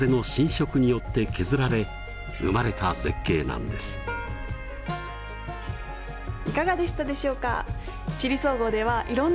ここはいかがでしたでしょうか？